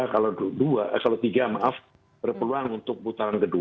kalau dua kalau tiga maaf perlu peluang untuk putaran ke dua